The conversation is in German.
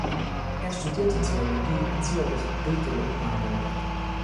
Er studierte Theologie in Zürich, Bethel und Marburg.